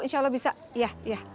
insya allah bisa